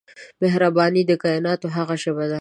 مهرباني د کایناتو هغه ژبه ده